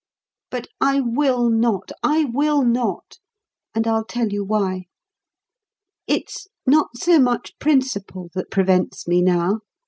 But I will not, I will not; and I'll tell you why. It's not so much principle that prevents me now.